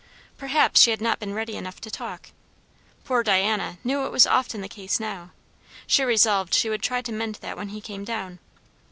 Perhaps she had not been ready enough to talk; poor Diana knew it was often the case now; she resolved she would try to mend that when he came down.